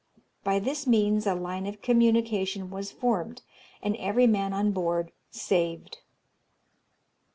By this means a line of communication was formed, and every man on board saved.